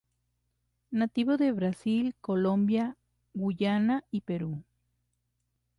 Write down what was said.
Nativo de Brasil, Colombia, Guyana y Perú.